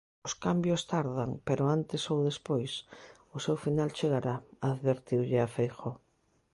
"Os cambios tardan, pero antes ou despois, o seu final chegará", advertiulle a Feijóo.